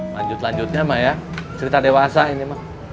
lanjut lanjutnya mbak ya cerita dewasa ini mah